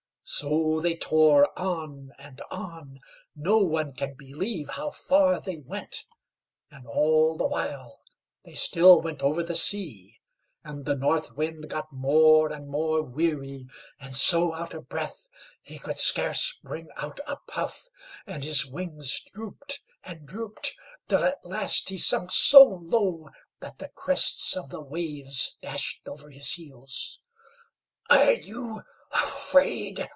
] So they tore on and on no one can believe how far they went and all the while they still went over the sea, and the North Wind got more and more weary, and so out of breath he could scarce bring out a puff, and his wings drooped and drooped, till at last he sunk so low that the crests of the waves dashed over his heels. "Are you afraid?"